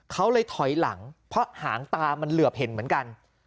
เขาเลยถอยหลังเพราะหางตามันเหลือบเห็นเหมือนกัน